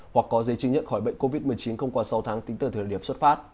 hoặc có giấy chứng nhận khỏi bệnh covid một mươi chín không qua sáu tháng tính từ thời điểm xuất phát